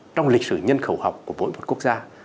trong lịch sử nhân khẩu học của mỗi một quốc gia